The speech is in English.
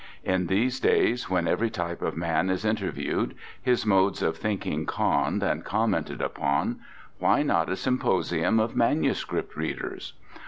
In these days when every type of man is interviewed, his modes of thinking conned and commented upon, why not a symposium of manuscript readers?